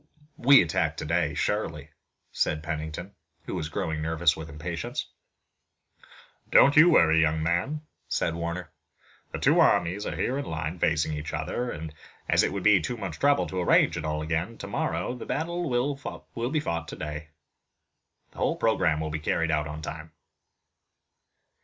"We attack today surely," said Pennington, who was growing nervous with impatience. "Don't you worry, young man," said Warner. "The two armies are here in line facing each other and as it would be too much trouble to arrange it all again tomorrow the battle will be fought today. The whole program will be carried out on time."